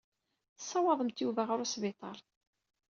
Tessawḍemt Yuba ɣer wesbiṭar.